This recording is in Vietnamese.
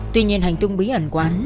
tuy nhiên hành tông bí ẩn của án